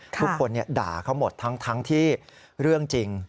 ทุกคนด่าเขาหมดทั้งที่เรื่องจริง